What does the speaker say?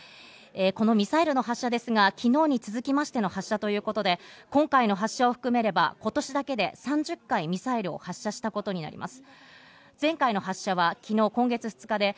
このミサイルの発射ですが、昨日に続きましての発射ということで、今回の発射を含めれば、今年だけで３０回ミサイルを発射したことになります。